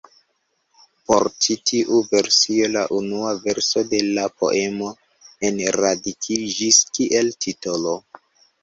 Por ĉi tiu versio la unua verso de la poemo enradikiĝis kiel titolo.